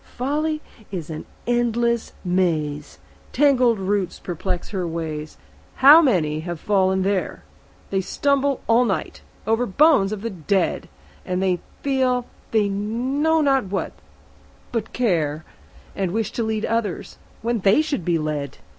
Folly is an endless maze; Tangled roots perplex her ways; How many have fallen there! They stumble all night over bones of the dead; And feel—they know not what but care; And wish to lead others, when they should be led.